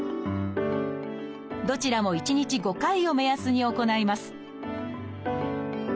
どちらも１日５回を目安に行います